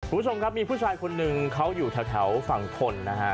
คุณผู้ชมครับมีผู้ชายคนหนึ่งเขาอยู่แถวฝั่งทนนะฮะ